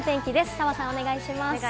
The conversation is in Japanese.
澤さん、お願いします。